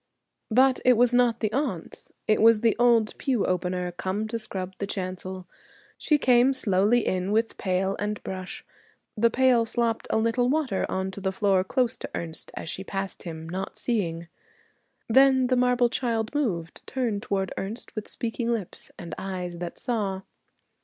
But it was not the aunts. It was the old pew opener, come to scrub the chancel. She came slowly in with pail and brush; the pail slopped a little water on to the floor close to Ernest as she passed him, not seeing. Then the marble child moved, turned toward Ernest with speaking lips and eyes that saw.